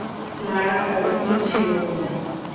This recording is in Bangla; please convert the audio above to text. মারাটা উচিত ছিল তোমার!